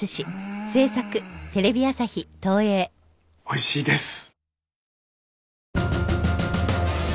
おいしいです。